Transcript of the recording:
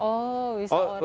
oh bisa order juga